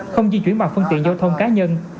không di chuyển bằng phương tiện giao thông cá nhân